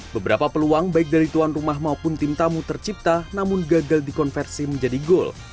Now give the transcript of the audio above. beberapa peluang baik dari tuan rumah maupun tim tamu tercipta namun gagal dikonversi menjadi gol